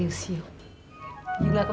you gak keberatan ayah cahaya